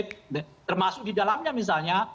jangan sampai termasuk di dalamnya misalnya